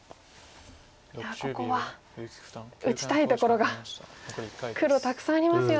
いやここは打ちたいところが黒たくさんありますよね。